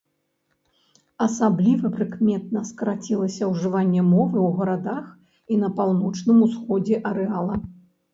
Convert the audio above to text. Асабліва прыкметна скарацілася ўжыванне мовы ў гарадах і на паўночным усходзе арэала.